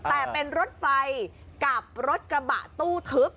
แต่เป็นรถไฟกับรถกระบะตู้ทึบ